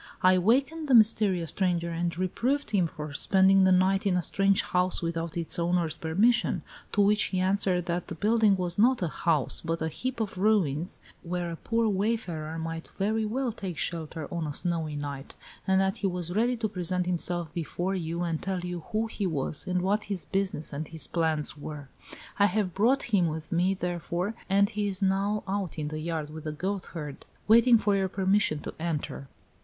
I wakened the mysterious stranger and reproved him for spending the night in a strange house without its owner's permission, to which he answered that the building was not a house, but a heap of ruins, where a poor wayfarer might very well take shelter on a snowy night, and that he was ready to present himself before you and tell you who he was and what his business and his plans were. I have brought him with me, therefore, and he is now out in the yard with the goatherd, waiting for your permission to enter."